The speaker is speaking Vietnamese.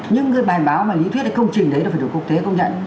những cái bài báo mà lý thuyết công trình đấy phải được quốc tế công nhận